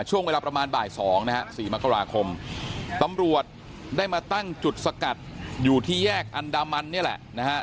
ช่วงเวลาประมาณบ่าย๒นะฮะ๔มกราคมตำรวจได้มาตั้งจุดสกัดอยู่ที่แยกอันดามันนี่แหละนะฮะ